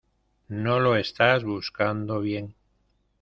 No lo estas buscando bien.